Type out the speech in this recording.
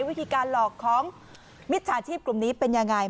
วิธีการหลอกของมิจฉาชีพกลุ่มนี้เป็นยังไง